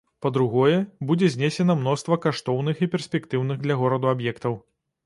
Па-другое, будзе знесена мноства каштоўных і перспектыўных для гораду аб'ектаў.